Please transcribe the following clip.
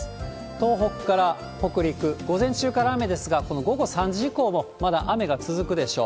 東北から北陸、午前中から雨ですが、この午後３時以降も、まだ雨が続くでしょう。